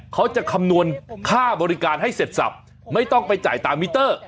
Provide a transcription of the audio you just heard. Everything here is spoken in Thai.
คำนวณค่าบริการให้เสร็จสับไม่ต้องไปจ่ายตามมิเตอร์